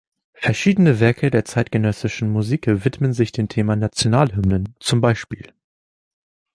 Verschiedene Werke der zeitgenössischen Musik widmen sich dem Thema „Nationalhymnen“, zum Beispiel